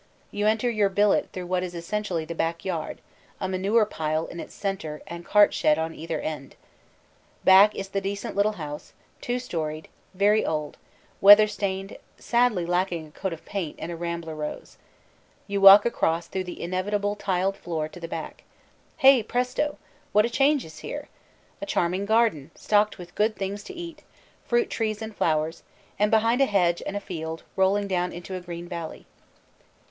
You enter your billet through what is essentially the backyard, a manure pile in its centre and cart shed on either hand. Back is the decent little house, two storied, very old, weather stained, sadly lacking a coat of paint and a rambler rose. You walk through across the inevitable tiled floor to the back. Hey, presto! what a change is here. A charming garden, stocked with good things to eat, fruit trees and flowers, and behind a hedge and a field rolling down into a green valley.